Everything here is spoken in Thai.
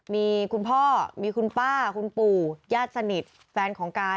มีคุณพ่อมีคุณป้าคุณปู่ญาติสนิทแฟนของกาย